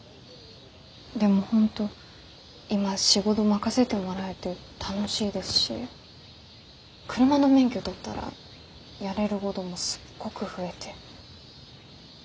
でも本当今仕事任せてもらえて楽しいですし車の免許取ったらやれるごどもすっごく増えて。